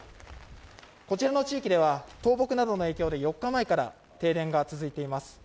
こちらの地域では倒木などの影響で４日前から停電が続いています。